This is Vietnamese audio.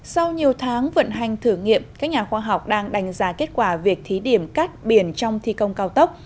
sau nhiều tháng vận hành thử nghiệm các nhà khoa học đang đánh giá kết quả việc thí điểm cắt biển trong thi công cao tốc